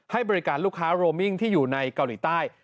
ให้บริการลูกค้าโรมิ่งที่อยู่ในเกาหลีใต้